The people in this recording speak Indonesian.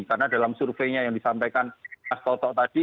karena dalam surveinya yang disampaikan mas toto tadi